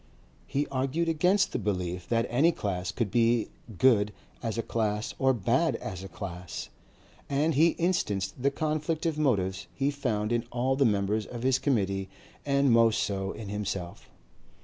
He argued against the belief that any class could be good as a class or bad as a class, and he instanced the conflict of motives he found in all the members of his Committee and most so in himself.